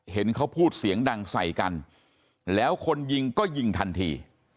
เห็นเขาพูดเสียงดังใส่กันแล้วคนยิงก็ยิงทันที